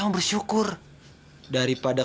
lu kan pasti grains nya shine